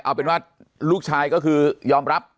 เอาเป็นว่าลูกชายก็คือยอมรับ